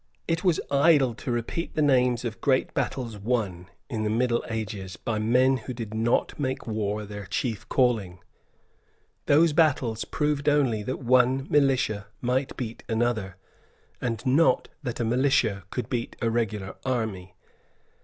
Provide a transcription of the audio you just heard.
It was idle to repeat the names of great battles won, in the middle ages, by men who did not make war their chief calling; those battles proved only that one militia might beat another, and not that a militia could beat a regular army.